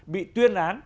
bị tuyên án